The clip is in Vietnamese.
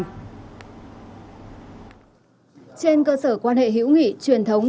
trên cơ sở quan hệ hữu nghị truyền thống